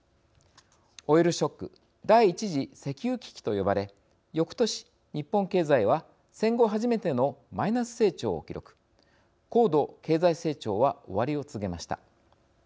オイルショック＝第１次石油危機と呼ばれよくとし、日本経済は戦後初めてのマイナス成長を記録高度経済成長は終わりを告げました。